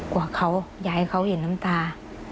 กว่าเขาอยากให้เขาเห็นน้ำตา